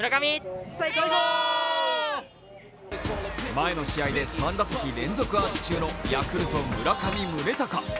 前の試合で３打席連続アーチ中のヤクルト・村上宗隆。